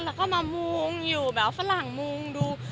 แล้วก็มามุงอยู่แบบฝรั่งมุงดู